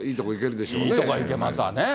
いいとこいけますわね。